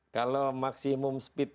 kalau maksimum speed